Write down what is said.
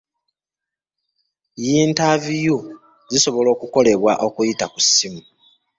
Yintaviyu zisobola okukolebwa okuyita ku ssimu.